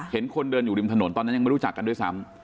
คนเดินอยู่ริมถนนตอนนั้นยังไม่รู้จักกันด้วยซ้ำ